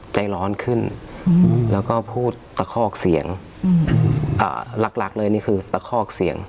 ใจร้อนขึ้นแล้วก็พูดตะคอกเสียงหลักเลยนี่คือตะคอกเสียง